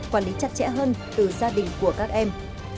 quản lý chặt chẽ hơn từ gia đình của các em